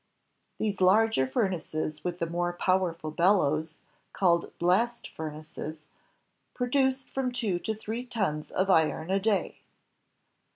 These larger furnaces with the more powerful bellows, called blast furnaces, produced from two to three tons of iron a day.